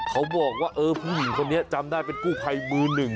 เขาบอกว่าเออผู้หญิงคนนี้จำได้เป็นกู้ภัยมือหนึ่ง